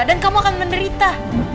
dan kamu akan menderita